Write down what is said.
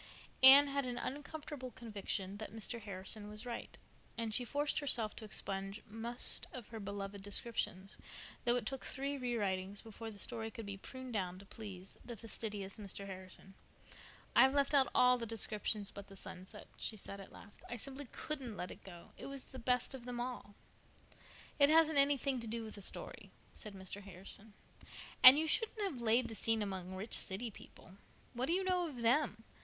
Anne had an uncomfortable conviction that Mr. Harrison was right, and she forced herself to expunge most of her beloved descriptions, though it took three re writings before the story could be pruned down to please the fastidious Mr. Harrison. "I've left out all the descriptions but the sunset," she said at last. "I simply couldn't let it go. It was the best of them all." "It hasn't anything to do with the story," said Mr. Harrison, "and you shouldn't have laid the scene among rich city people. What do you know of them?